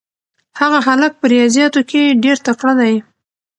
هغه هلک په ریاضیاتو کې ډېر تکړه دی.